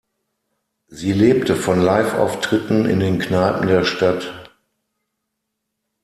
Sie lebte von Live-Auftritten in den Kneipen der Stadt.